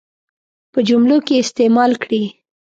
په جملو کې استعمال کړي.